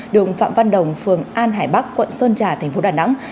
đường phạm văn đồng phường an hải bắc quận sơn trà tp đà nẵng